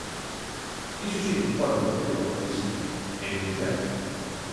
Iso si que pode facelo a poesía, enunciar.